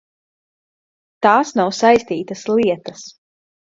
Tās nav saistītas lietas.